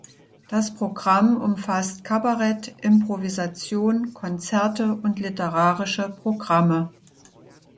Das Programm umfasst Kabarett, Improvisation, Konzerte und literarische Programme.